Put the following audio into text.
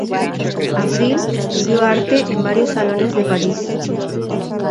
Avril estudió arte en varios salones de París.